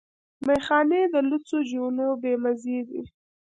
ميخانې د لوڅو جونو بې مزې دي